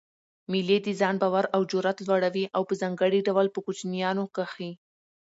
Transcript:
مېلې د ځان باور او جرئت لوړوي؛ په ځانګړي ډول په کوچنيانو کښي.